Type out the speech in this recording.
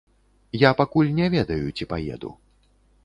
Я пакуль не ведаю, ці паеду.